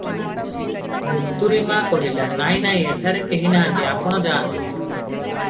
ମୁତୁରୀମା କହିଲା, " ନାହିଁ ନାହିଁ, ଏଠାରେ କେହି ନାହାନ୍ତି, ଆପଣ ଯାଆନ୍ତୁ ।